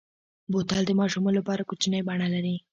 بوتل د ماشومو لپاره کوچنۍ بڼه لري.